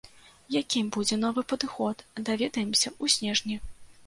Якім будзе новы падыход, даведаемся ў снежні.